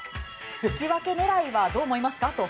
引き分け狙いはどう思いますかと。